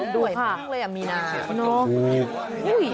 ด้วยมากเลยอ่ะมีนาน